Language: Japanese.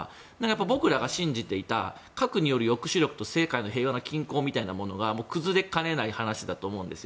僕らが信じていた核による抑止力と世界の平和の均衡みたいなのは崩れかねない話だと思うんですよ。